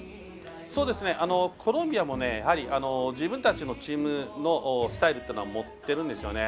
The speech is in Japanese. コロンビアもやはり、自分たちのチームのスタイルというのは持っているんですよね。